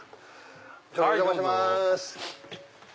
お邪魔します。